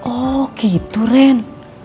oh gitu ren